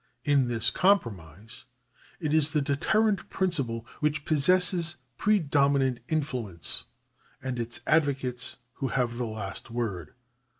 In this compromise it is the deterrent principle which possesses predominant influence, and its advocates who have the last word.